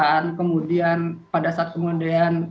dan kemudian pada saat kemudian